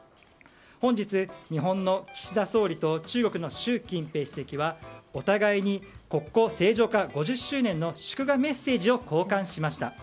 本日、日本の岸田総理と中国の習近平主席はお互いに、国交正常化５０周年の祝賀メッセージを交換しました。